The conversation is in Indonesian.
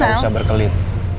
gak usah berkelit